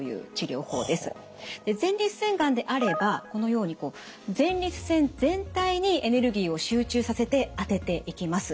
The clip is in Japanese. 前立腺がんであればこのように前立腺全体にエネルギーを集中させて当てていきます。